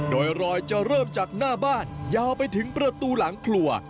โดยรอยจะเริ่มจากหน้าบ้านยาวไปถึงประตูหลังครัว